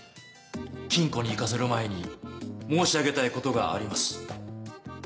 金庫に行かせる前に申し上げたいことがあります。